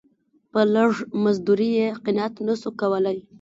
په لږ مزدوري یې قناعت نه سو کولای.